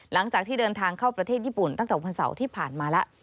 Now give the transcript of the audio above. หลังจากที่เดินทางเข้าประเทศญี่ปุ่นตั้งแต่วันเสาร์ที่ผ่านมาแล้ว